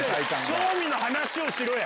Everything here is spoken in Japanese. ⁉正味の話をしろや！